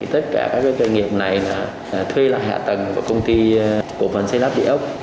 tất cả các doanh nghiệp này thuê lại hạ tầng của công ty cổ phần xây lắp địa ốc